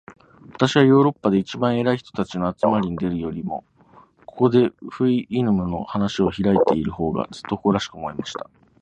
私はヨーロッパで一番偉い人たちの集まりに出るよりも、ここで、フウイヌムの話を開いている方が、ずっと誇らしく思えました。